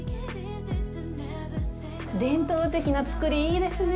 伝統的な造り、いいですね。